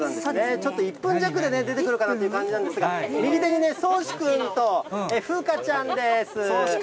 ちょっと１分弱で出てくるかなという感じなんですが、右手にそうしくんとふうかちゃんです。